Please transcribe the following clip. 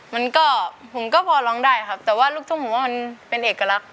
มันก็ผมก็พอร้องได้ครับแต่ว่าลูกทุ่งผมว่ามันเป็นเอกลักษณ